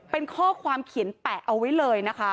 เป็นข้อความเขียนแปะเอาไว้เลยนะคะ